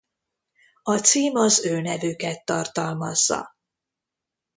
A cím az ő nevüket tartalmazza.